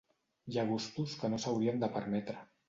Hi ha gustos que no s'haurien de permetre.